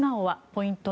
ポイント